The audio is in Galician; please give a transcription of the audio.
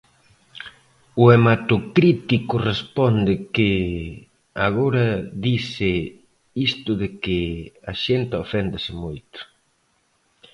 O Hematocrítico responde que "agora dise isto de que 'a xente oféndese moito'".